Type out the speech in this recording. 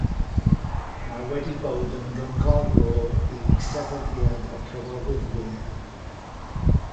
Mae wedi bod yn gynghorwr i Sefydliad y Cyfarwyddwyr.